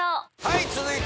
はい！